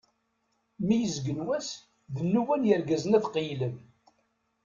Mi yezgen wass, d nnuba n yirgazen ad qegglen.